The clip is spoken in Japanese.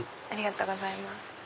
ありがとうございます。